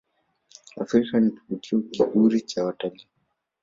afrika ni kivutio kizuri cha wataliii